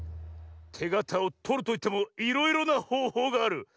てがたをとるといってもいろいろなほうほうがある。